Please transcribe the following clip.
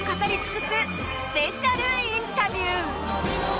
スペシャルインタビュー。